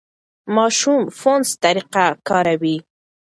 ماشومان فونس طریقه کاروي.